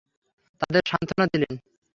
তাঁদের সান্ত্বনা দিলেন।